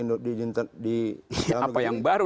di indonesia apa yang baru